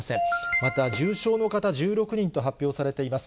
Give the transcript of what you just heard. また重症の方、１６人と発表されています。